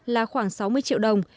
là khoảng sáu mươi triệu đồng